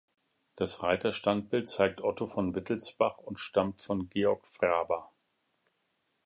Das Reiterstandbild zeigt Otto von Wittelsbach und stammt von Georg Wrba.